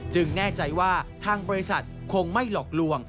แน่ใจว่าทางบริษัทคงไม่หลอกลวง